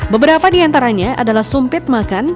beberapa di antaranya adalah sumpit makan